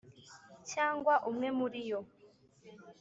Cyangwa umwe muri yo